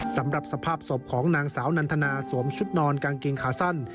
สำหรับสภาพศพของนางสาวนันทนาสวมชุดนอนกางเกงขาสั้น